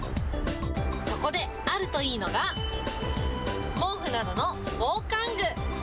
そこで、あるといいのが、毛布などの防寒具。